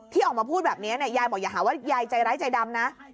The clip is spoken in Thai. ที่ออกมาพูดแบบนี้ยายบอกอย่าหาว่ายายใจร้ายใจดำนะ